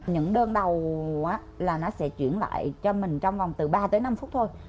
những đơn đầu là nó sẽ chuyển lại cho mình trong vòng từ ba tới năm phút thôi